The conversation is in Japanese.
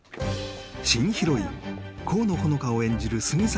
新ヒロイン・河野穂乃果を演じる杉咲